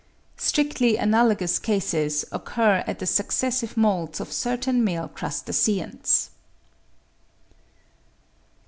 Strictly analogous cases occur at the successive moults of certain male crustaceans.